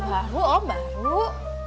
baru om baru